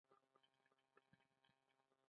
په دې وخت کې د خپل فکر او تمو په روښانه توګه بیانول.